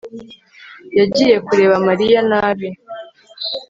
yagiye kureba mariya? nabi